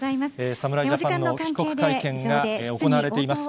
侍ジャパンの帰国会見が行われています。